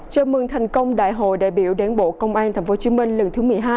chào mừng thành công đại hội đại biểu đảng bộ công an tp hcm lần thứ một mươi hai